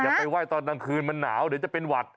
ไปไห้ตอนกลางคืนมันหนาวเดี๋ยวจะเป็นหวัด